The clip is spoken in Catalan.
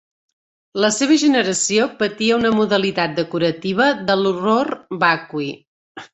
La seva generació patia una modalitat decorativa de l'horror vacui.